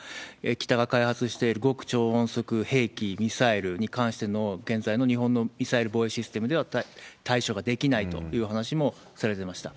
北が開発している極超音速兵器、ミサイルに関しての現在の日本のミサイル防衛システムでは対処ができないという話もされていました。